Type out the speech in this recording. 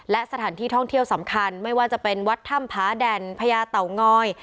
และสถานที่ท่องเที่ยวสำคัญไม่ว่าจะเป็นวัดถ้ำผาแด่นพญาเต่างอย